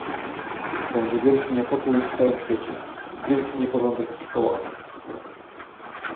"Będzie wielki niepokój w całym świecie, wielki nieporządek w szkołach."